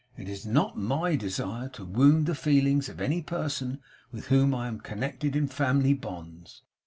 It is not MY desire to wound the feelings of any person with whom I am connected in family bonds.